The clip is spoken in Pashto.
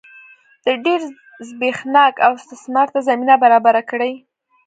د ډېر زبېښاک او استثمار ته زمینه برابره کړي.